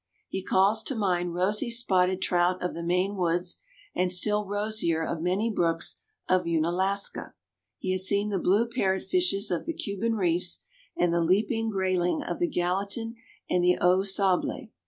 He calls to mind rosy spotted trout of the Maine woods, and still rosier of many brooks of Unalaska. He has seen the blue parrot fishes of the Cuban reefs and the leaping grayling of the Gallatin and the Au Sable.